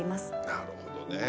なるほどね。